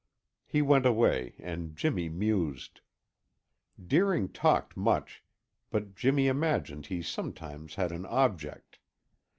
He went away and Jimmy mused. Deering talked much, but Jimmy imagined he sometimes had an object.